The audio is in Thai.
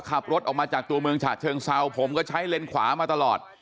ขับรถออกมาจากตัวเมืองฉะเชิงเซาผมก็ใช้เลนขวามาตลอด